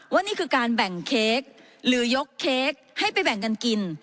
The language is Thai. นี่คือการแบ่งเค้กหรือยกเค้กให้ไปแบ่งกันกิน